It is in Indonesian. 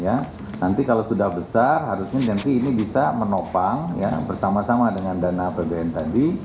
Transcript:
nanti kalau sudah besar harusnya nanti ini bisa menopang bersama sama dengan dana apbn tadi